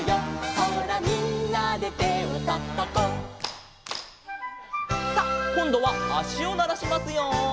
「ほらみんなで手をたたこう」「」さあこんどはあしをならしますよ。